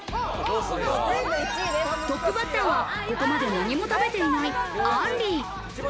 トップバッターは、ここまで何も食べていない、あんり。